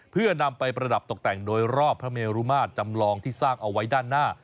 เพื่อนำไปประดับตกแต่งโดยรอบพระเมรุมาตรจำลองที่สร้างเอาไว้ด้านหน้า